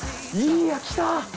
いやきた。